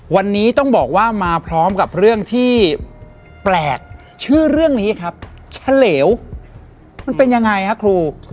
วันนี้ต้องบอกว่ามาพร้อมกับเรื่องที่แปลกชื่อเรื่องนี้ครับเฉลวมันเป็นยังไงฮะครู